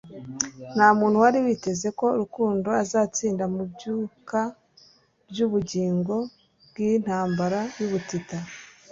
Ntamuntu wari witeze ko Rukundo azatsinda mubyuka byubugingo bwintambara y'ubutita